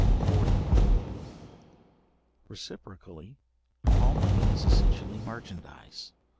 §40. Reciprocally all money is essentially merchandize.